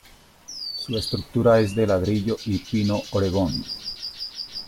Su estructura es de ladrillo y pino oregón.